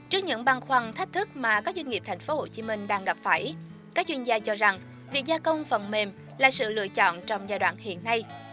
trước những băng khoăn thách thức mà các doanh nghiệp thành phố hồ chí minh đang gặp phải các doanh gia cho rằng việc gia công phần mềm là sự lựa chọn trong giai đoạn hiện nay